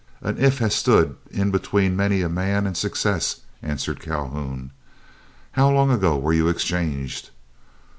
"An 'if' has stood in between many a man and success," answered Calhoun. "How long ago were you exchanged?"